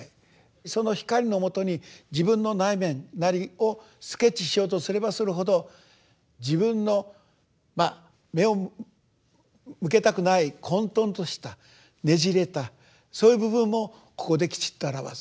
その光のもとに自分の内面なりをスケッチしようとすればするほど自分の目を向けたくない混とんとしたねじれたそういう部分もここできちっと表す。